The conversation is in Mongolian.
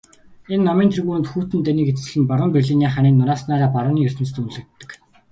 Энэ намын тэргүүнүүд хүйтэн дайныг эцэслэн баруун Берлиний ханыг нурааснаараа барууны ертөнцөд үнэлэгддэг.